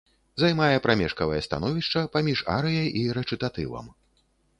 Займае прамежкавае становішча паміж арыяй і рэчытатывам.